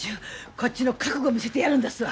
こっちの覚悟を見せてやるんですわ。